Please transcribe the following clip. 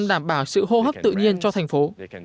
và sự hô hấp tự nhiên cho thành phố